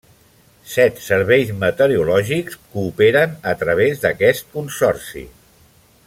Set serveis meteorològics cooperen a través d'aquest consorci.